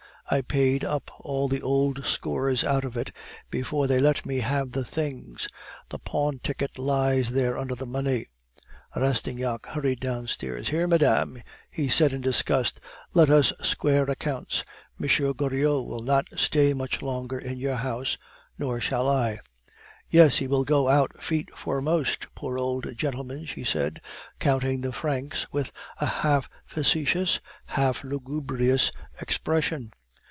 I paid up all the old scores out of it before they let me have the things. The pawn ticket lies there under the money." Rastignac hurried downstairs. "Here, madame" he said in disgust, "let us square accounts. M. Goriot will not stay much longer in your house, nor shall I " "Yes, he will go out feet foremost, poor old gentleman," she said, counting the francs with a half facetious, half lugubrious expression.